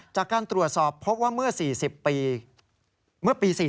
จากการตรวจสอบพบว่าเมื่อ๔๐ปี